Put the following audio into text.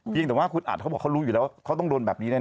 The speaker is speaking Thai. เพียงแต่ว่าคุณอัดเขาบอกเขารู้อยู่แล้วเขาต้องโดนแบบนี้แน่